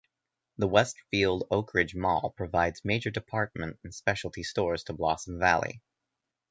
The Westfield Oakridge Mall provides major department and specialty stores to Blossom Valley.